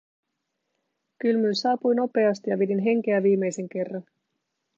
Kylmyys saapui nopeasti ja vedin henkeä viimeisen kerran.